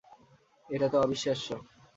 এটা তো অবিশ্বাস্য!